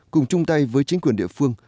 cùng chung tay với chính quyền địa phương